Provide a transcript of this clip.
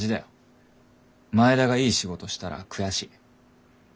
前田がいい仕事したら悔しい。